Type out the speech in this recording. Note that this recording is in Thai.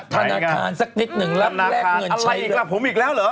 ธนาคารสักนิดหนึ่งรับแรกเงินใช้เลยธนาคารอะไรกับผมอีกแล้วเหรอ